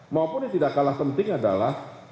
maupun yang tidak kalah penting adalah